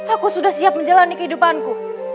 aku sudah siap menjalani kehidupanku